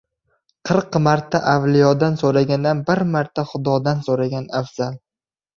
• Qirq marta avliyodan so‘ragandan bir marta Xudodan so‘ragan afzal.